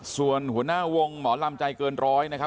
ส่วนหัวหน้าวงหมอลำใจเกินร้อยนะครับ